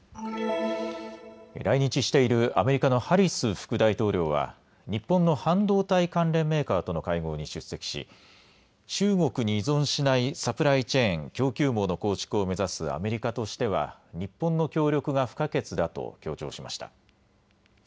来日しているアメリカのハリス副大統領は日本の半導体関連メーカーとの会合に出席し、中国に依存しないサプライチェーン・供給網の構築を目指すアメリカとしては日本の協力が不可欠だと強調しました。